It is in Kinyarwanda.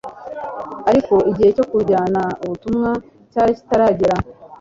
Ariko igihe cyo kujyana ubutumwa cyari kitaragera.